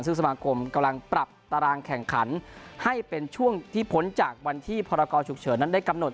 ซึ่งสมาคมกำลังปรับตารางแข่งขันให้เป็นช่วงที่พ้นจากวันที่พรกรฉุกเฉินนั้นได้กำหนด